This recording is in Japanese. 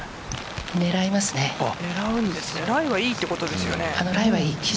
ライはいいということですよね。